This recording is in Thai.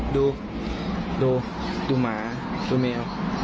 ดูดูหมาดูแมว